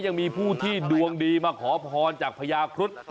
ยังมีผู้ที่ดวงดีมาขอพรจากพญาครุฑ